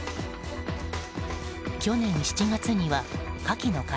去年７月にはカキの殻